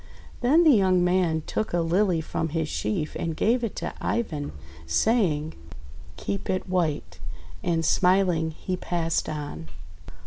Then the young man took a Lily from his sheaf and gave it to Ivan, saying: — "Keep it white !>: And, smiling, he passed on.